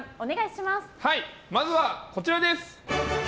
まずは、こちらです。